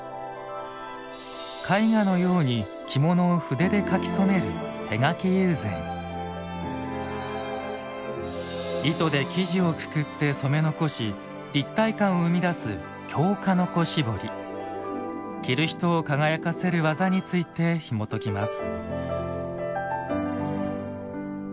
絵画のように着物を筆で描き染める糸で生地をくくって染め残し立体感を生み出す着る人を輝かせる技についてひもときます。